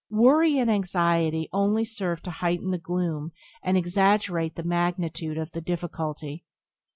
Worry and anxiety only serve to heighten the gloom and exaggerate the magnitude of the difficulty.